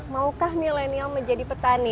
maukah milenial menjadi petani